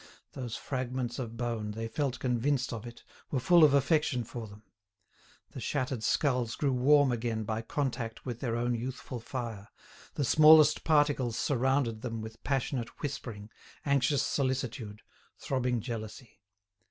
Those fragments of bone, they felt convinced of it, were full of affection for them; the shattered skulls grew warm again by contact with their own youthful fire, the smallest particles surrounded them with passionate whispering, anxious solicitude, throbbing jealousy.